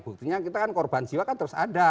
buktinya kita kan korban jiwa kan terus ada